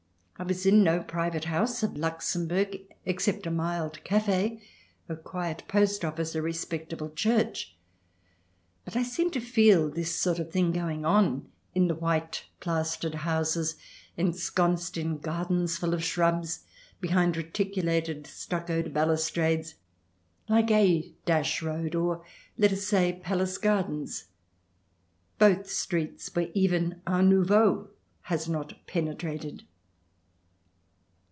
I was in no private house of CH. xx] TRIER 271 Luxembourg, except a mild cafe, a quiet post office, a respectable church. But I seemed to feel this sort of thing going on in the white plastered houses ensconced in gardens full of shrubs, behind reticu lated stuccoed balustrades, like A Road, or, let us say, Palace Gardens — both streets where even art nouveau has not penetrated.